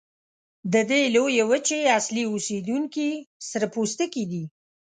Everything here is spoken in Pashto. د دې لویې وچې اصلي اوسیدونکي سره پوستکي دي.